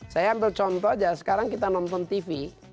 saya ambil contoh aja sekarang kita nonton tv